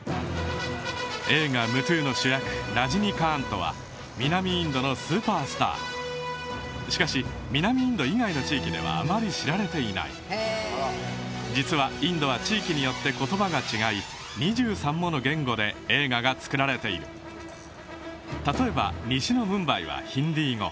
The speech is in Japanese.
映画「ムトゥ」の主役ラジニカーントは南インドのスーパースターしかし南インド以外の地域ではあまり知られていない実はインドは地域によって言葉が違い２３もの言語で映画が作られている例えば西のムンバイはヒンディー語